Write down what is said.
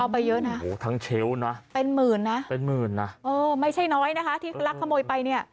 เอาไปเยอะนะครับเป็นหมื่นนะโอ้ไม่ใช่น้อยนะครับที่ลักขโมยไป